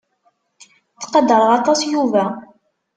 Ttqadareɣ aṭas Yuba.